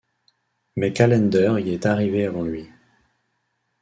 Mais Callender y est arrivé avant lui.